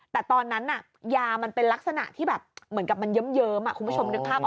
แต่ตอนนั้นยามันเป็นลักษณะที่แบบเหมือนกับมันเยิ้มคุณผู้ชมนึกภาพออก